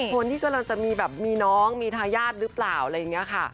คนที่กำลังจะมีแบบมีน้องมีทายาทหรือเปล่าอะไรอย่างนี้ค่ะ